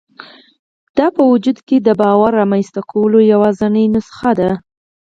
دا په وجود کې د باور رامنځته کولو یوازېنۍ نسخه ده